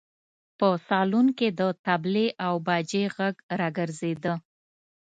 په سالون کې د تبلې او باجې غږ راګرځېده.